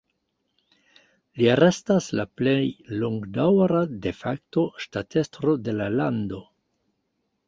Li restas la plej longdaŭra "de facto" ŝtatestro de la lando.